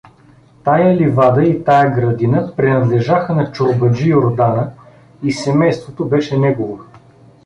Тая ливада и тая градина принадлежаха на чорбаджи Юрдана и семейството беше негово.